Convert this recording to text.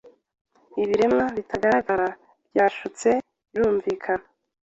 Ibiremwa bitagaragara byashutse birumvikana!